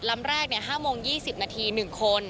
ลำแรกเนี่ย๕โมง๒๐นาที๑คน